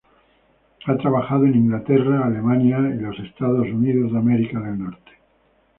Ha trabajado en Inglaterra, Alemania y Estados Unidos.